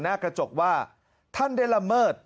หน้ากระจกว่าท่านได้ละเมิด